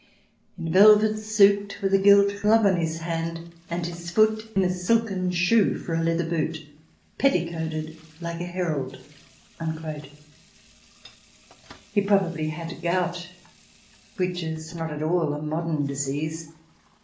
in a velvet suit, With a gilt glove on his hand, and his foot In a silken shoe for a leather boot, Petticoated like a herald. ..." CH. XIII] GRAND DUKES AND GIPSIES 177 He probably had gout, which is not ^t all a modern disease.